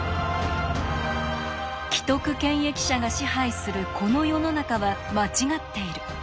既得権益者が支配するこの世の中は間違っている。